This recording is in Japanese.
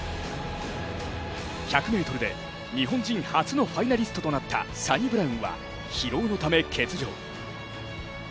１００ｍで日本人初のファイナリストとなったサニブラウンは疲労のため欠場。